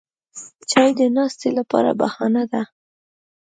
چای د ناستې لپاره بهانه ده